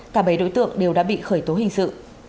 cả bảy đối tượng đều đã bị khởi tố hình sự